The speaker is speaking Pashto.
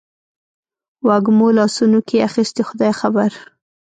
وږمو لاسونو کې اخیستي خدای خبر